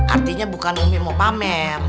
artinya bukan untuk mau pamer